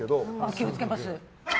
気を付けます。